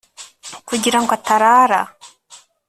kugira ngw ataraará